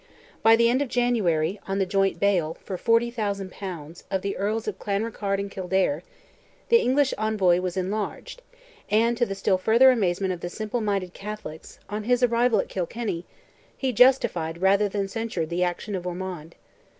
By the end of January, on the joint bail, for 40,000 pounds, of the Earls of Clanrickarde and Kildare, the English envoy was enlarged, and, to the still further amazement of the simple minded Catholics, on his arrival at Kilkenny, he justified rather than censured the action of Ormond.